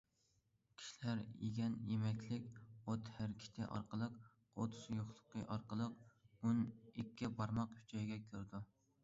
كىشىلەر يېگەن يېمەكلىك ئۆت ھەرىكىتى ئارقىلىق ئۆت سۇيۇقلۇقى ئارقىلىق ئون ئىككى بارماق ئۈچەيگە كىرىدۇ.